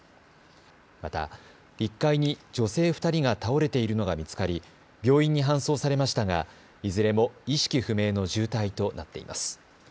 また、１階に女性２人が倒れているのが見つかり病院に搬送されましたがいずれも意識不明の重体となっています。